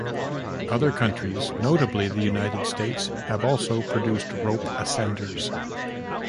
Other countries, notably the United States, have also produced rope ascenders.